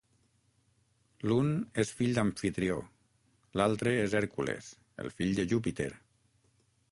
L'un és fill d'Amfitrió, l'altre és Hèrcules, el fill de Júpiter.